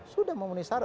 sudah mau menuhi syarat